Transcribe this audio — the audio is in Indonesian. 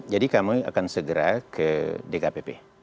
kami akan segera ke dkpp